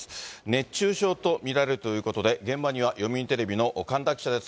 熱中症と見られるということで、現場には読売テレビの神田記者です。